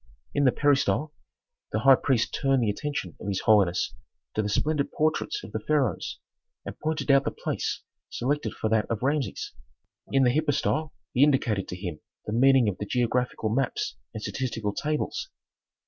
In the peristyle the high priest turned the attention of his holiness to the splendid portraits of the pharaohs, and pointed out the place selected for that of Rameses. In the hypostyle he indicated to him the meaning of the geographical maps and statistical tables.